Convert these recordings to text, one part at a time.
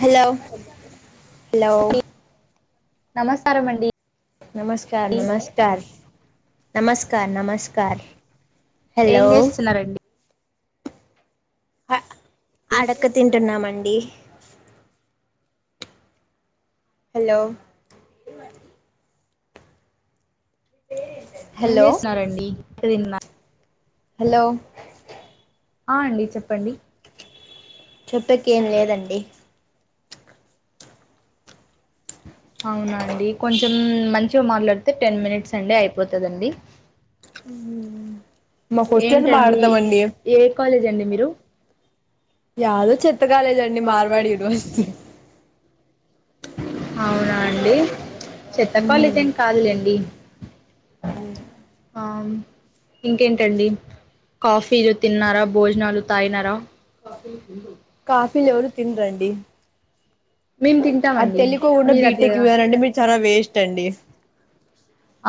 Hello hello నమస్కారం అండి నమస్క నమస్క నమస్క నమస్క ఏం జేస్తున్నారండి అడక్క తింటున్నామండి హలో ఏం హలో జెస్తున్నారండి ఇ తిన్న హలో అ అండి చెప్పండి చెప్పెకి ఏం లేదండి అవునా అండి కొంచెం మంచిగా మాట్లాడితే టెన్ మినిట్స్ అండి అయిపోతదండి అ [inaudible] ఏంటండి వాడతామండి ఏ కాలేజ్ అండి మీరు యాదొ చెత్త కాలేజ అండి మార్వాడి యూనివర్సి అవునా అండి చెత్త కాలేజ్ ఏం కాదులేండి ఇంకేంటండి కాఫీలు తిన్నారా భోజనాలు తాయినారా కాఫీలు ఎవరు తిన్నారు అండి మేము తింటామండి మీరు బీటెక్ అట్లేద పోయారంటే మీరు చాలా వేస్ట్ అండి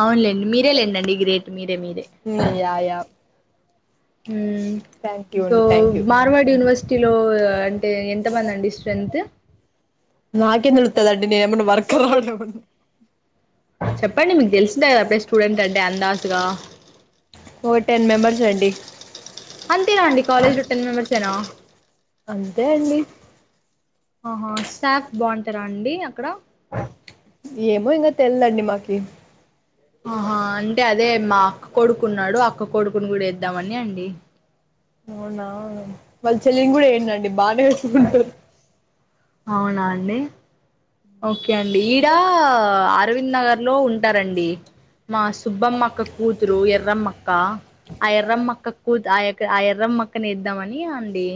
అవునులేండి మీరే లేండండి గ్రేట్ మీరే మీరే yeah yeah um thank you so అండి థ్యాంక్ యూ మార్వాడి యూనివర్సిటీలో అంటే ఎంతమంది అండి శ్రద్ధ నాకేం తెలుస్తది అండి నేనేమన్నా వర్కర్ దాన చెప్పండి మీకు తెలిసిందా కదా బెస్ట్ స్టూడెంట్ అంటే అందాస్గా ఓ టెన్ మెంబర్స్ అండి అంతేనా అండి కాలేజ్ లో టెన్ మెంబెర్స్ ఏనా అంతే అండి ఆహా సాాఫ్ బాగుంటారా అండి అక్కడ ఏమో ఇంకా తెల్దండి మాకి ఆహా అంటే అదే మా అక్క కొడుకున్నాడు అక్క కొడుకుని కూడా వేద్దామని అండి అవునా వాళ్ళ చెల్లిని కూడా ఏండండి బానే ఎత్తుకుంటాడు అవునా అండి ఓకే అండి ఈడ అరవింద్ నగర్ లో ఉంటారండి మా సుబ్బమ్మక్క కూతురు ఎర్రమ్మక్క ఆ ఎర్రమ్మక్క కద్ ఆ అక్క ఆ ఎర్రం మక్కనే ఇద్దామని అండి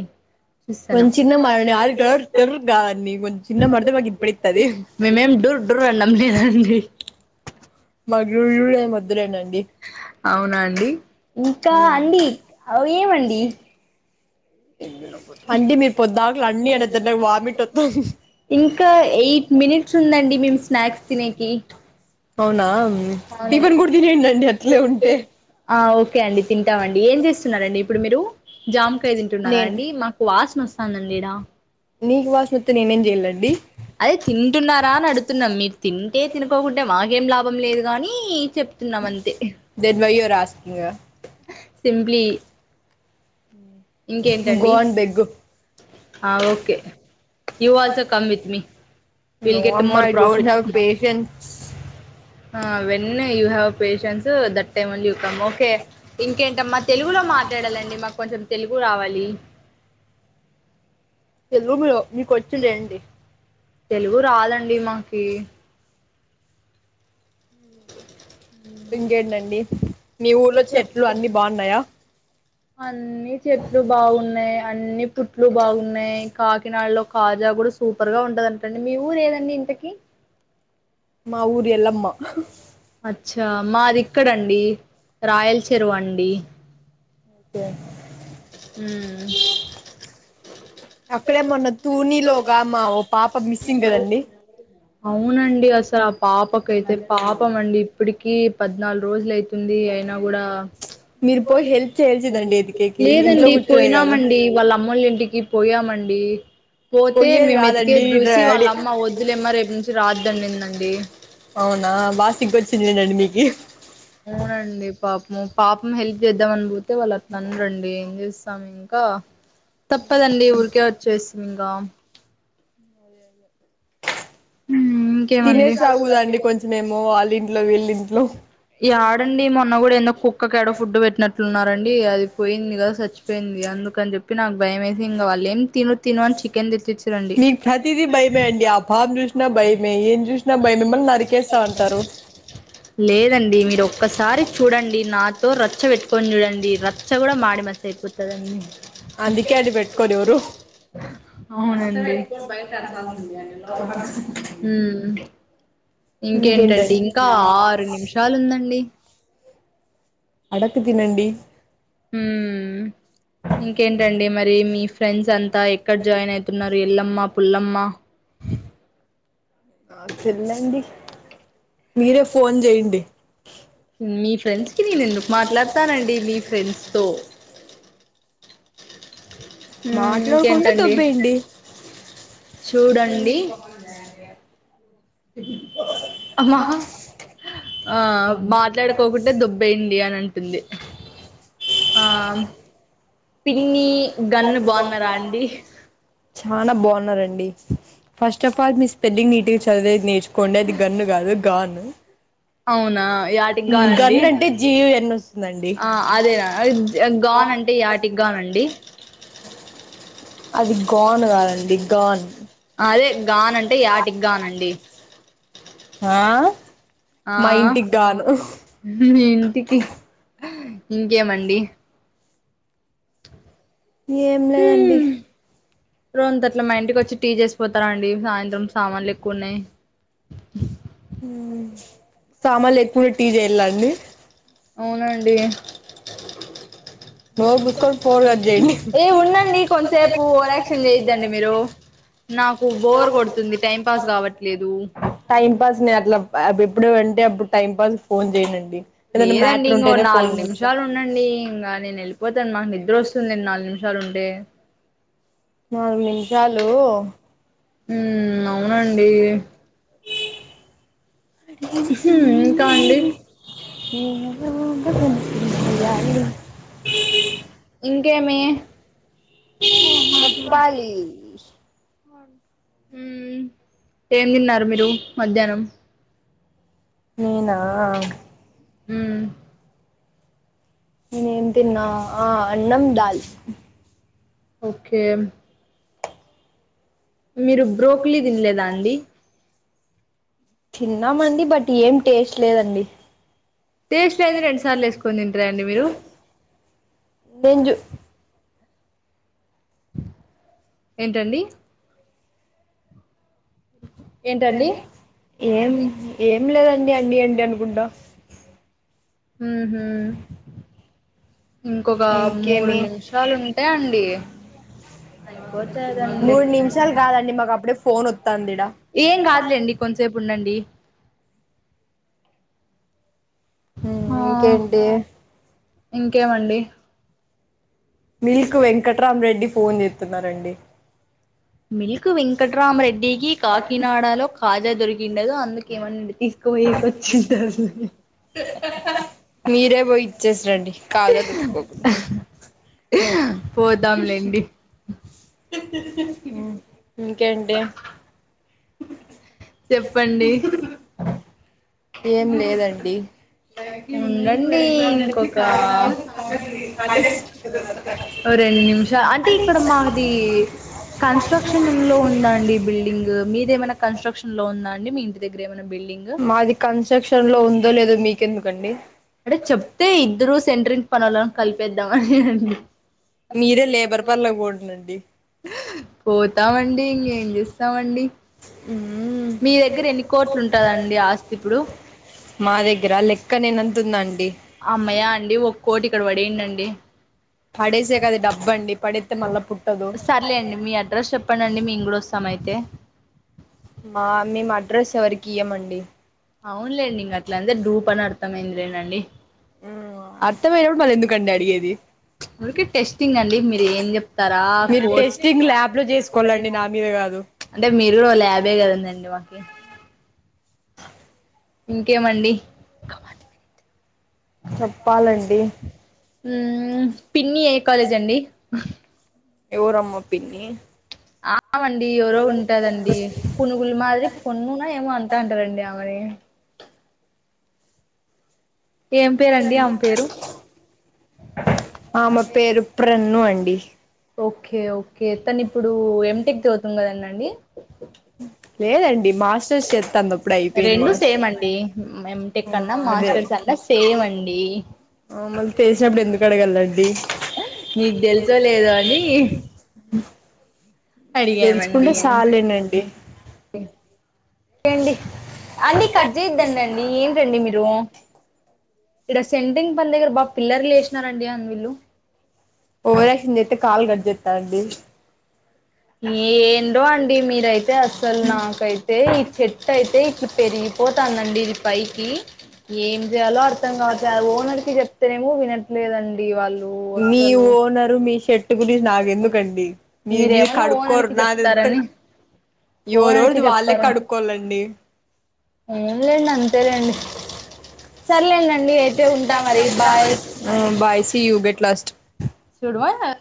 చూస్తున్నాం కొంచెం చిన్నగా మాట్లాడు [unintelligible] కొంచెం చిన్నగా మాట్లాడితే మాకు వినిపిత్తాది మేమేం డూర్ డూర్ అని అనలేదండి మాకు యు యు ఎం ఒదులేనంది అవునాండి ఇంకా అండి అ ఏమండి ఎ అంటే మీరు పొద్దాకులు అన్ని అనద్దండి నాకు వామిట్ వత్తాంది ఇంకా ఎయిట్ మినిట్స్ ఉందండి మేము స్నాక్స్ తినేకి అవునా అవును అండి టిఫిన్ కూడా తినేయండండి అట్లే ఉంటే ఆ అవు ఓకే అండి తింటాం అండి ఏం చేస్తున్నారు అండి ఇప్పుడు మీరు జామకాయ తింటున్నారా నేను అం మాకు వాసన వస్తుంది అండి ఈడ నీకు వాస్తు అదే తింటున్నారా అని అడుతున్నాం మీ తింటే తినుకోకుంటే మాకేం లాభం లేదు కానీ చెప్తున్నామ అంతే then why you are asking simply ఇంకేంటండి గోన్ బెగ్ ఆ okay you also come with me you know will get అమ్మ more I don't profit have patience ఆ వెళ్లి you have patience that time you come ఒక hmm ఇంకేంటమ్మా తెలుగులో మాట్లాడాలండి మాకు కొంచెం తెలుగు రావాలి తెలుగులో మీకు వొచింది ఏంటి తెలుగు రాదండి మాకి ఇంకేంటండి మీ ఊర్లో చెట్లు అని బాగున్నాయా అన్నిీ చెట్లు బాగున్నాయి అన్నిీ పుట్లు బాగున్నాయి కాకినాడలో కాజా కూడా సూపర్ గా ఉంటదంటండి మీ ఊరు ఏదండి ఇంటికి మా ఉరి ఎలమ్మా అచ్చా మాది ఇక్కడండి రాయల చెరువు అండి ఓకే మ్ అక్కడే మొన్న తూనీలో ఒగా మా ఓ పాప మిస్సింగ్ కదండి అవునండి అసలు ఆ పాపకైతే పాపం అండి ఇప్పటికి పద్నాలుగు రోజుల అయితుంది అనా కూడా మీరు పోయి హెల్ప్ చేయాల్సిందండి ఎతికేకి ఇంట్లో లేదండి కూర్చునేది కాదు పోయినామండి వాళ్ళ అమ్మోల్లి ఇంటికి పోయామండి పండి పోతే పోయ్యేది మేము వెతికే కాదండి చూసి డాడీ వాళ్ళమ్మ వద్దులేమ్మ రేపు నుంచి రాద్దండి అనిందండి అవునా బాగా సిగకొచ్చిందినండి మీకు అవునండి పాపం పాపం హెల్ప్ చేద్దాం అని పోతే వాళ్ళు అట్ అనరండి ఏం చేస్తాం ఇంకా తప్పదండి ఊరికే వచ్చేసినంకా ఇంకేమండి తినేసి రాగుదా అండి కొంచం ఏమో వాళ్ళింట్లో వీళ్ళింట్లో ఈ ఆడండి ఈ మొన్న కూడా ఎందో కుక్క కాడో ఫుడ్ పెట్నట్టున్నారు రండి అది పోయింది కదా చచ్చిపోయింది అందుకని చెప్పి నాకు భయం వేసి ఇంకా వాళ్ళు ఏం తిను తిను అని చికెన్ తెచ్చిచ్చ రండి చూసిన భయమే ఏం చూసినా భయమే మిమ్మళ్ళని నరికేస్తా అంటారు లేదండి మీరు ఒక్కసారి చూడండి నాతో రచ్చ పెట్టుకొని చూడండి రచ్చ కూడా మాడి మస్ అయిపోతది అండి అందుకే అడి పెట్టుకోడి ఎవరు అవును అండి హుమ్మ్ ఇంకేంటండి ఇంకా ఆరు నిమిషాలు ఉందండి అడకు తినండి ఉమ్ ఇంకేంటండి మరి మీ ఫ్రెండ్స్ అంతా ఎక్కడ జాయిన్ అయితున్నారు ఎల్లమ్మ పుల్లమ్మా ఆ చిల్లండి మీరే ఫోన్ చేండి మీ ఫ్రెండ్స్ కి నేను ఎందుకు మాట్లాడతానండి మీ ఫ్రెండ్స్ తో హ్మ్ మాట్లాడుకుంటే ఇంకేంటండి దొబ్బేయండి చూడండి మాహ ఆ మాట్లాడుకోకుంటే దొబ్బేయండి అని అంటుంది ఆ పిన్ని గన్ను బాగున్నారా అండి చాలా బాగున్నారండి ఫస్ట్ ఆఫ్ ఆల్ మీ స్పెల్లింగ్ నీట్ గా చదివేది నేర్చు కొండేది గన్ను కాదు గాన్ అవును నా యాటికిగా అండి గన్ అంటే జీయుఎన్ వస్తుందండి ఆ అదేనా అంటే యాటికగా అండి అది గాన్ కాదండి గాన్ అదే గానంటే యాటికి గానండి ఆ ఆ మా ఇంటికి గాను ఇంకేమండి ఏం లేదండి రోంత అట్ మా ఇంటికి వచ్చి టీ చేసిపోతారండి సాయంత్రం సామాన్లు ఎక్కువ ఉన్నాయి సామాన్లు ఎక్కువడా టీ చేయాలండి అవునండి నోరు మూసుకొని ఫోన్ కట్ చేయండి ఏ ఉండండి కొంతసేపు ఓవరాక్షన్ చేయద్దండి మీరు నాకు బోర్ కొడుతుంది టైం పాస్ కావట్లేదు. బా బెప్పుడు అంటే అప్పుడు టైం పాస్ ఫోన్ చేయనండి. ఏదైనా లేదండి మ్యాటర్ ఇంగో ఉంటేనే ఫోన్ నాలుగు చేస్తా నిమిషాలు ఉండండి ఇంకా నేను వెలి పోతాను మాకు నిద్ర వస్తుందండి నాలుగు నిమిషాలు ఉంటే నాలుగు నిమిషాలు ఉమ్ అవునండి అడిగిన సమయం ఇంకా ఇ అండి నేను స్లో గా బడికి వెళ్ళాలి. ఇంకేమి చేప్పాలీ మ్ ఏం తిన్నారు మీరు మధ్యాహ్నం? నేనా హ నేనే ఏం తిన్నా ఆ అన్నం దాల్ ఓకే మీరు బ్రోక్లీ తినలేదా అండి? తిన్నామండి బట్ ఏం టేస్ట్ లేదండి టేస్లో అయితే రెండు సార్లు వేసుకొని తింటార అండి మీరు? నేను చూ ఏంటండి ఏంటండి ఏమిటి ఏం లేదండి అండి అండి అనుకుంటా మ్మ్ హ్మ్ ఇంకొక మూడు ఇంకేమి నిమిషాలు ఉంటే అండి అయిపోతదండి మూడు నిమిషాలు కాదండి మాకు అప్పుడే ఫోన్ వత్తాంది ఈడ ఏం కాదులేండి కొంతసేపు ఉండండి. ఊ ఆ ఇంకేంటి? ఇంకేమండి మీల్క్ వెంకట్రాం రెడ్డి ఫోన్ చేస్తున్నారండి. మిల్క్ వెంకట్రామరెడ్డికి కాకినాడలో కాజా దొరికిండదు అందుకేమన్నాండిది. కోయి కుచ్చంటాది. మీరే పోయి ఇచ్చేసి రండి కాదదు ఒ పోదాంలేండి మ్ ఇంకేంటి చెప్పండి ఏం లేదండి ఉండండి ఇంకొక అదే శిక్ష నిమిషా అంటే ఇక్కడ మాది కన్స్ట్రక్షన్ లో ఉందా అండి బిల్డింగ్ మీద ఏమైనా కన్స్ట్రక్షన్ లో ఉందా అండి మీ ఇంటి దగ్గర ఏమై మాది కన్స్ట్రక్షన్ లో ఉందో లేదో మీకెందుకండి అంటే చెప్తే ఇద్దరు అ మీరే లేబర్ పనులకు బంటందండి పోతామండి ఇంకేం చేస్తామండి మీ దగ్గర ఎన్ని కోట్లుంటదండి ఆస్తి ఇప్పుడు? మా దగ్గర లెక్క నేనంత ఉన్నా అండి అమ్మయా అండి ఒక్కోటి ఇక్కడ పడేండండి. పడేసే కది డబ్బండి పడేత్తే మళ్ళా పుట్టదు సరలే అండి మీ అడ్రస్ చెప్పండండి మేం కూడా వస్ సమైతే మా మేము అడ్రస్ ఎవరికి ఇయమండి అవునులేండి ఇంగ అట్ల అంతే డూప్ అని అర్థమైంది రేనండి కండి అడిగేది ఊరికే టెస్టింగ్ అండి మీరు ఏం చెప్తారా కోర్స్ ఎస్కోలాండి నా మీద కాదు అంటే మీరు ల్యాబే కదందండి మాకి ఇంకేమండి చెప్పాలండి పిన్ని ఏ కాలేజ్ అండి ఎవరమ్మ అమ్మ పిన్ని ఆమండి ఎవరో ఉంటదండి పునుగుల మాదిరి పున్నునో ఏమో అంటా అంటారండి ఆమెని ఏం పేరండి ఆమె పేరు ఆమ పేరు ప్రన్ను అండి ఓకే ఓకే తను ఇప్పుడు ఎం టెక్ చదువుతుంది కదండి అండి లేదం రెండు సేమ్ అండి ఎం టెక్ ఆ అన్నా అదే మాస్టర్స్ అన్నా సేమ్ అండి ఆ మళ్ళీ తెసినప్పుడు ఎందుకు అడగలండి మీకు తెల్సో లేదో అని అడిగామండి ఎండి సాలేనండి అండి కట్ చేయద్దందండి అండి ఏంటండి మీరు ఇక్కడ సెంటింగ్ పల్ దగ్గర బా పిల్లర్లు లేసినారండి అ వీళ్ళు ఓరాషన్ చెత్తే కాల్ కట్ చెత్తా అండి ఎండో అండి మీరైతే అస్సలు నాకైతే ఈ చెట్టు అయితే ఇ పెరిగి పోతానండి ఇది పైకి ఏం చేయాలో అర్థం కావట్లే ఆ ఓనర్ కి చెప్తేనేమో వినట్లేదండి వాళ్ళు మీ అస్సలు ఓనరు మీ షర్ట్ గులి నాకెందుకండి మీ మీరు మీరేమన్నా కడుక్కోరు ఓనర్కి నాది ఎంత చెప్తారని ఓనర్కి ఎవరోరిది వాళ్ళే చెప్తారంట కడుక్కోవాలండి ఏం లేండి అంతేలేండి సర్లేండండి అయితే ఉంటా మరి బాయ్ ఉ బాయ్ సియు గెట్ లాస్ట్ సుడవా